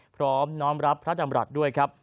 พร้อมน้อมรับพระดำรัฐด้วยครับ